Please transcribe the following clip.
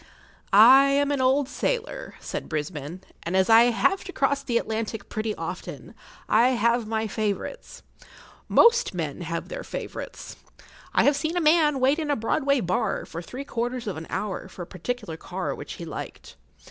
I am an old sailor, said Brisbane, and as I have to cross the Atlantic pretty often, I have my favourites. Most men have their favourites. I have seen a man wait in a Broadway bar for three quarters of an hour for a particular car which he liked.